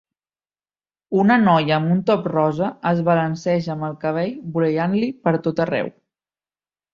una noia amb un top rosa es balanceja amb el cabell voleiant-li per tot arreu